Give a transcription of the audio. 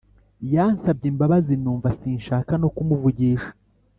Yansabye imbabazi numva sinshaka no kumuvugisha